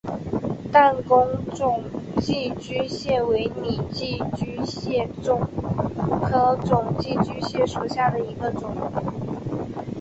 弹弓肿寄居蟹为拟寄居蟹科肿寄居蟹属下的一个种。